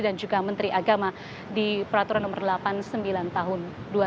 maksud saya menteri agama di peraturan nomor delapan tahun dua ribu enam